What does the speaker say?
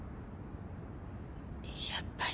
やっぱり。